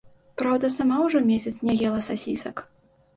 Праўда, сама ўжо месяц не ела сасісак.